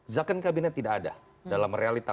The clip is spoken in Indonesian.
zakon kabinet tidak ada dalam realita